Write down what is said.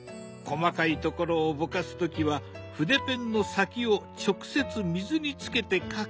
細かいところをぼかす時は筆ペンの先を直接水につけて描く。